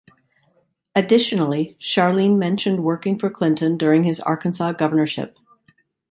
Additionally Charlene mentioned working for Clinton during his Arkansas governorship.